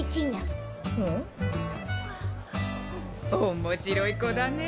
面白い子だねぇ。